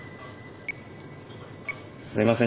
すいません